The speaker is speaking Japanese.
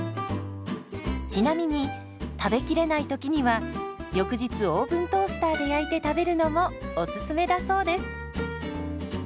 ちなみに食べきれないときには翌日オーブントースターで焼いて食べるのもおすすめだそうです。